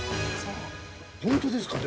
◆本当ですか。